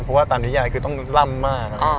เพราะว่าตอนนี้ยายคือต้องล่ำมาก